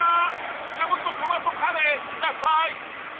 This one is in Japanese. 北本トマトカレーください！